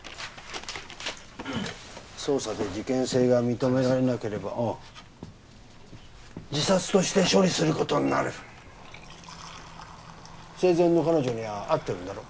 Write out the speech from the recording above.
捜査で事件性が認められなければ代わりますおう自殺として処理することになる生前の彼女には会ってるんだろ？